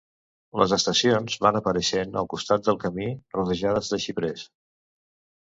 Les estacions van apareixent al costat del camí, rodejades de xiprers.